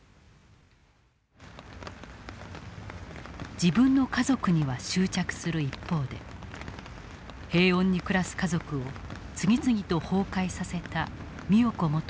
自分の家族には執着する一方で平穏に暮らす家族を次々と崩壊させた美代子元被告。